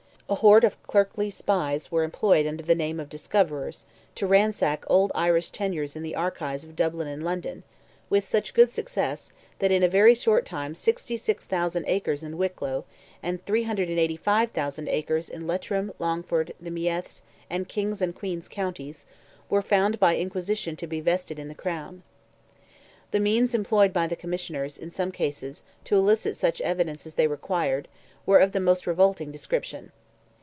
A horde of clerkly spies were employed under the name of "Discoverers," to ransack old Irish tenures in the archives of Dublin and London, with such good success, that in a very short time 66,000 acres in Wicklow, and 385,000 acres in Leitrim, Longford, the Meaths, and King's and Queen's Counties, were "found by inquisition to be vested in the Crown." The means employed by the Commissioners, in some cases, to elicit such evidence as they required, were of the most revolting description.